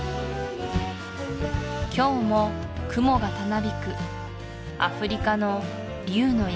今日も雲がたなびくアフリカの竜の山